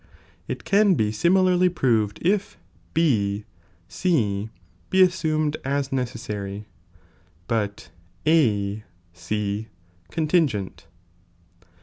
It can be similarly proved if B C be assumed as necessary, but A C contin gent.